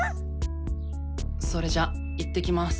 それじゃ行ってきます。